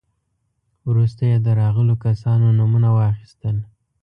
وروسته يې د راغلو کسانو نومونه واخيستل.